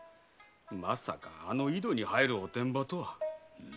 まさかあの井戸に入るおてんばとは。